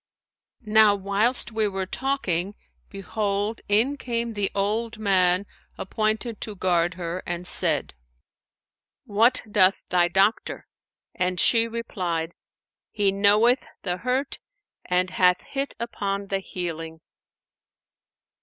Now whilst we were talking, behold, in came the old man appointed to guard her and said, 'What doth thy doctor?'; and she replied, 'He knoweth the hurt and hath hit upon the healing.'"